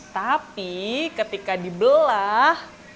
tapi ketika dibelak